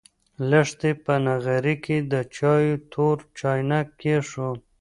لښتې په نغري کې د چایو تور چاینک کېښود.